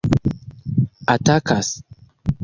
atakas